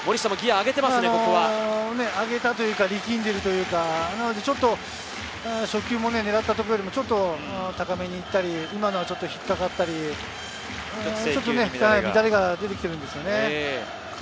あげたというか、力んでるというか、ちょっと初球も狙ったところよりも高めに行ったり、今のは引っかかったり、ちょっと乱れが出てきてるんですよね。